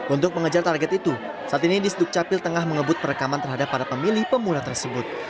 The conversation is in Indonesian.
untuk mengejar target itu saat ini di sdukcapil tengah mengebut perekaman terhadap para pemilih pemula tersebut